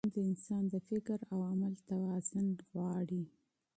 ژوند د انسان د فکر او عمل توازن غواړي.